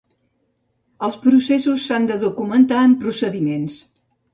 Els processos s'han de documentar en procediments.